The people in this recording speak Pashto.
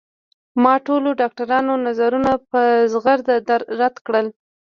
ما د ټولو ډاکترانو نظرونه په زغرده رد کړل